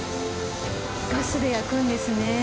ガスで焼くんですね。